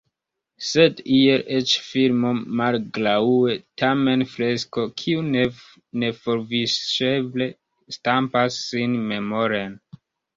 Sed iel eĉ filmo Mal-graŭe tamen fresko, kiu neforviŝeble stampas sin memoren.